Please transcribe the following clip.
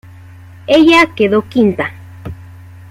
Ella quedó quinta.